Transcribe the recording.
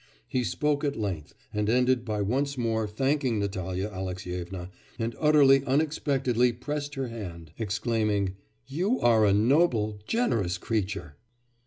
He spoke at length, and ended by once more thanking Natalya Alexyevna, and utterly unexpectedly pressed her hand, exclaiming. 'You are a noble, generous creature!